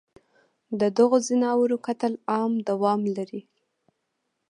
ددغو ځناورو قتل عام دوام لري